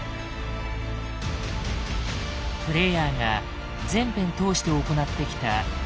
プレイヤーが全編通して行ってきた選択の数々。